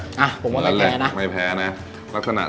ผมว่าไม่แพ้นะไม่แพ้นะแล้วขนาด